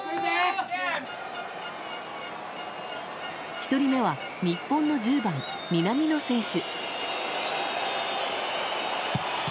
１人目は日本の１０番、南野選手。